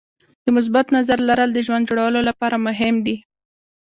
د مثبت نظر لرل د ژوند جوړولو لپاره مهم دي.